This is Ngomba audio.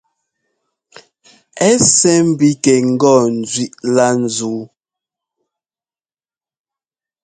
Ɛ́ sɛ́ ḿbígɛ ŋgɔ ńzẅíꞌ lá ńzúu.